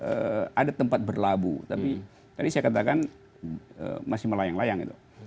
di daerah ini ada tempat berlabuh tapi tadi saya katakan masih melayang layang itu